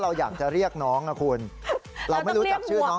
เราอยากจะเรียกน้องนะคุณ